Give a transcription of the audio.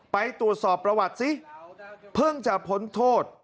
ไปตรวจสอบประวัติสิเพิ่งจะพ้นโทษ